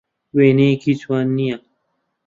وێنەیەکی جوان نییە.